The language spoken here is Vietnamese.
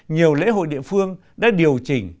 nhiều lễ hội địa phương đã điều chỉnh